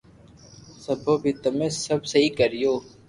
سپي بي تمي سب سھي ڪريو